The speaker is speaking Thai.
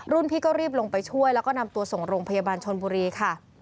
พี่ก็รีบลงไปช่วยแล้วก็นำตัวส่งโรงพยาบาลชนบุรีค่ะ